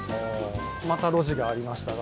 また路地がありましたが。